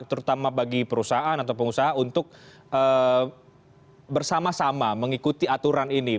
terutama bagi perusahaan atau pengusaha untuk bersama sama mengikuti aturan ini